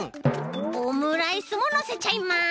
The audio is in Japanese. オムライスものせちゃいます。